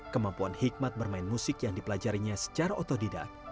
kemampuan hikmat bermain musik yang dipelajarinya secara otodidak